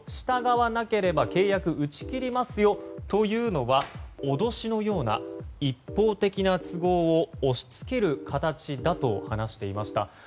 従わなければ契約打ち切りますよというのは脅しのような一方的な都合を押し付ける形だと話していました。